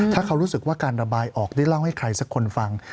ถ้าเขารู้สึกว่าการระบายออกได้เล่าให้ใครสักคนฟัง